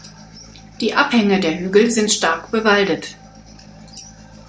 Die Abhänge der Hügel sind stark bewaldet.